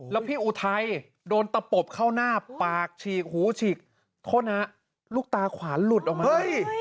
แล้วพี่อุทัยโดนตะปบเข้าหน้าปากฉีกหูฉีกโทษนะฮะลูกตาขวานหลุดออกมาเฮ้ย